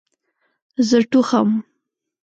زه ټوخم